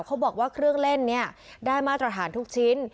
เขาบอกว่าเครื่องเล่นเนี่ยได้มาตรฐานทุกชิ้น